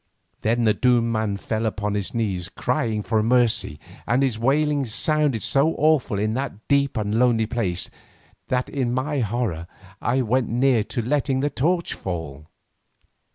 Then the doomed man fell upon his knees crying for mercy, and his wailing sounded so awful in that deep and lonely place that in my horror I went near to letting the torch fall.